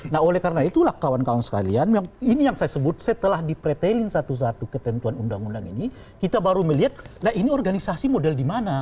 nah oleh karena itulah kawan kawan sekalian ini yang saya sebut setelah dipretelin satu satu ketentuan undang undang ini kita baru melihat nah ini organisasi model di mana